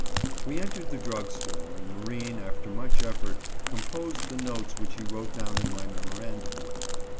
We entered the drug store, and Marine, after much effort, composed the notes, which he wrote down in my memorandum book.